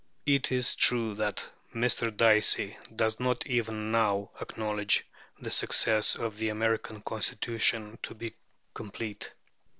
It is true that Mr. Dicey does not even now acknowledge the success of the American Constitution to be complete.